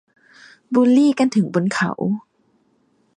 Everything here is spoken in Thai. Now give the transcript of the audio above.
บุลลี่กันถึงบนเขา